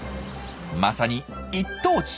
まさに一等地。